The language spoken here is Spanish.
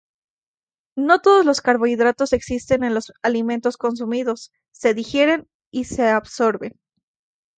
No todos los carbohidratos existentes en los alimentos consumidos se digieren y absorben.